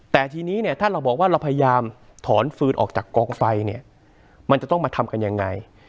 แต่ทีนี้เนี่ยถ้าเราบอกว่าเราพยายามถอนฟืนออกจากกองไฟเนี่ยมันจะต้องมาทำกันยังไง